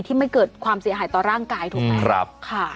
ไม่เกิดความเสียหายต่อร่างกายถูกไหม